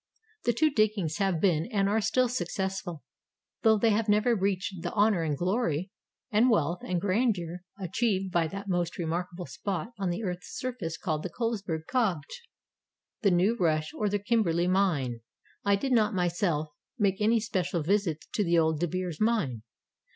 The two diggings have been and are still successful, though they have never reached the honor and glory and wealth and grandeur achieved by that most remarkable spot on the earth's surface called the Colesberg Kopje, the New Rush, or the Kimberley mine. I did not myself make any special visit to the Old De Beers mine.